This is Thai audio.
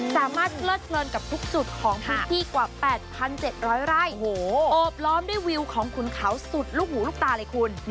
สามารถเลิศเกินกับทุกจุดของพิธีกว่าแปดพันเจ็ดร้อยไร้โอบล้อมด้วยวิวของขุนขาวสุดลูกหูลูกตาเลยคุณ